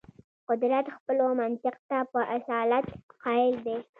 قدرت خپلو منطق ته په اصالت قایل دی.